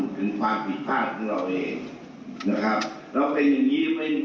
ถึงภาคผิดภาคของเราเอง